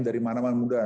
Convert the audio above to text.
dari mana mana muda